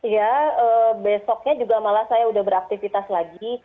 ya besoknya juga malah saya udah beraktivitas lagi